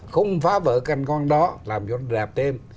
không phá vỡ cảnh quan đó làm cho nó đẹp thêm